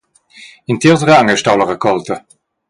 In tierz rang ei stau la raccolta.